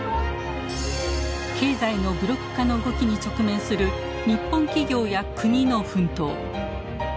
経済のブロック化の動きに直面する日本企業や国の奮闘。